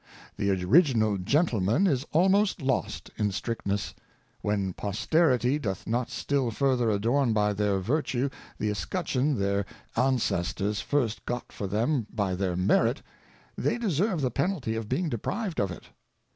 The Origmal Gentleman is almost lost in strictness ; when Posterity doth not still further adorn by their Virtue the Escutcheon their Ancestors first got for them by their Merit, they deserve the Penalty of being deprived of it.